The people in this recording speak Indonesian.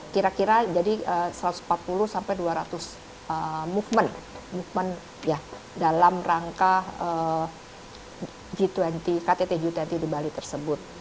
kira kira jadi satu ratus empat puluh sampai dua ratus movement dalam rangka g dua puluh ktt g dua puluh di bali tersebut